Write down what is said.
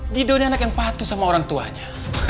dido ini anak yang patuh sama orang tuanya